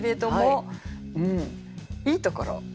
いいところ。